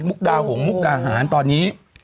มุกดาห่วงมุกดาหารตอนนี้